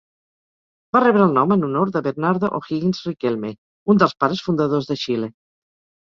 Va rebre el nom en honor de Bernardo O'Higgins Riquelme, un dels pares fundadors de Xile.